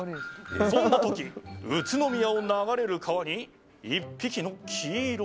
そんな時、宇都宮を流れる川に１匹の黄色いふな。